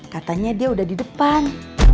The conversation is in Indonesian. katanya dia udah di depan